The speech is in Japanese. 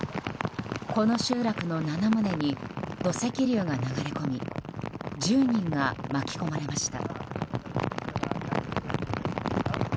この集落の７棟に土石流が流れ込み１０人が巻き込まれました。